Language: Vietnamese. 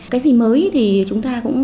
cái gì mới thì chúng ta cũng